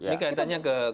ini kaitannya ke apa